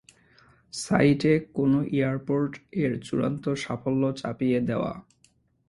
সাইটে কোন এয়ারপোর্ট এর চূড়ান্ত সাফল্য চাপিয়ে দেওয়া।